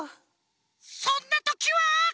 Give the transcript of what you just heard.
・そんなときは。